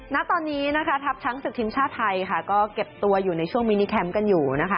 นักตอนนี้ทับชั้นศึกทิมชาไทยเก็บตัวอยู่ในช่วงมินิแคมป์กันอยู่